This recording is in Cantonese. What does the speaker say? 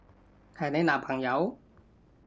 係你男朋友？